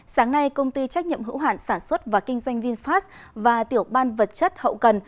sáng nay công ty trách nhiệm hữu hạn sản xuất và kinh doanh vinfast và tiểu ban vật chất hậu cần